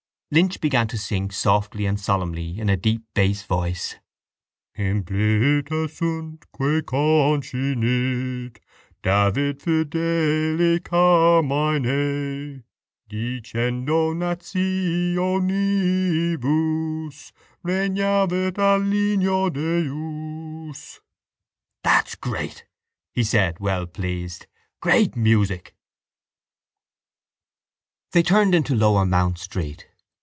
Lynch began to sing softly and solemnly in a deep bass voice: Inpleta sunt quæ concinit David fideli carmine Dicendo nationibus Regnavit a ligno Deus. —That's great! he said, well pleased. Great music! They turned into Lower Mount Street.